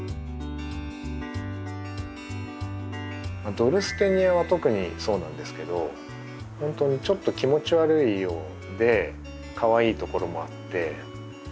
ドルステニアは特にそうなんですけどほんとにちょっと気持ち悪いようでかわいいところもあって。